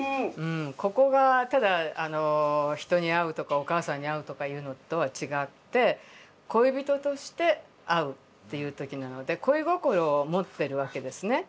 ここがただ人に「会う」とかお母さんに「会う」とかいうのとは違って恋人として「逢う」っていう時なので恋心を持ってるわけですね。